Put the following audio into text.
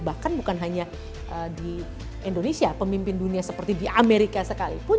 bahkan bukan hanya di indonesia pemimpin dunia seperti di amerika sekalipun